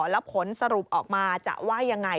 แล้วผลสรุปออกมาจะว่ายังไง